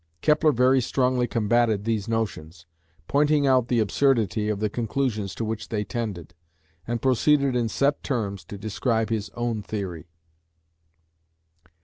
Kepler very strongly combated these notions, pointing out the absurdity of the conclusions to which they tended, and proceeded in set terms to describe his own theory.